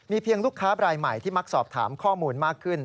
เพียงลูกค้ารายใหม่ที่มักสอบถามข้อมูลมากขึ้น